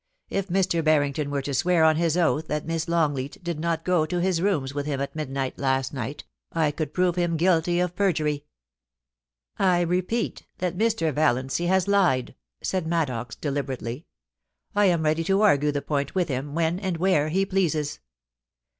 * If Mr. Harrington were to swear on his oath that Miss Longleat did not go to his rooms with him at midnight last night, I could prove him guilty of perjury.' * I repeat that Mr. Valiancy has lied,' said Maddox, deliberately. *I am ready to argue the point with him when and where he pleases.